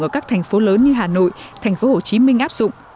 ở các thành phố lớn như hà nội thành phố hồ chí minh áp dụng